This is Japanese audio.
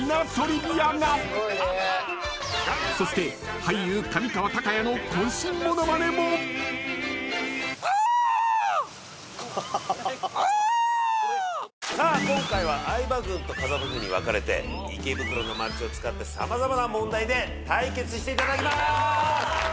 ［そして俳優］さあ今回は相葉軍と風間軍に分かれて池袋の街を使って様々な問題で対決していただきます！